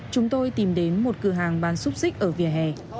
chúng tôi tìm đến một cửa hàng bán xúc xích ở vỉa hè